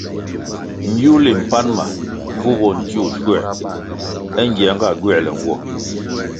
Ngiwuli mpan wa vu bo ntiwuh schuer é ngierga gywerle nwo.